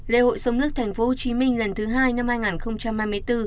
lễ hội sông nước tp hcm lần thứ hai năm hai nghìn hai mươi bốn